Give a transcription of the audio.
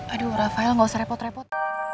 aduh rafael gak usah repot repot